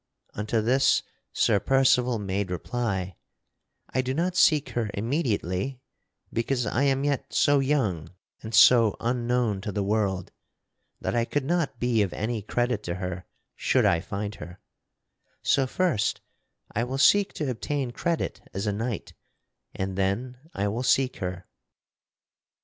Unto this Sir Percival made reply: "I do not seek her immediately because I am yet so young and so unknown to the world that I could not be of any credit to her should I find her; so first I will seek to obtain credit as a knight, and then I will seek her."